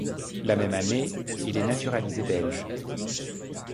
La même année, il est naturalisé belge.